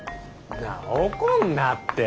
なあ怒んなって。